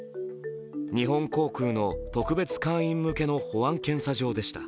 日本航空の特別会員向けの保安検査場でした。